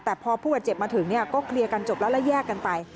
แต่พอผู้บาดเจ็บมาถึงก็เคลียร์กันจบแล้วแล้วแยกกันไป